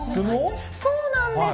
そうなんです。